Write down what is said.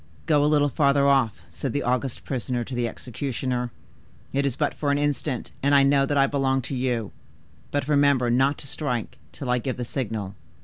'Go a little further off,' said the august prisoner to the executioner; 'it is but for an instant, and I know that I belong to you; but remember not to strike till I give the signal.